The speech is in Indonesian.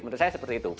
menurut saya seperti itu